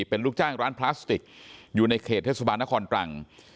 เป็นลูกจ้างร้านพลาสติกอยู่ในเขตเทศบาลนครตรัง